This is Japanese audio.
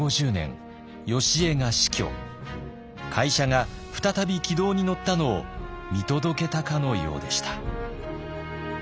会社が再び軌道に乗ったのを見届けたかのようでした。